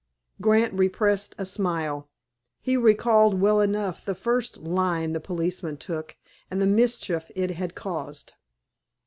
Grant repressed a smile. He recalled well enough the first "line" the policeman took, and the mischief it had caused.